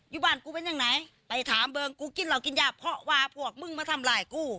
อยู่บ้านกูเป็นอย่างไหนไปถามเบิ้งกูกินเหล่ากินยากเพราะว่าพวกมึงมาทำร้ายกู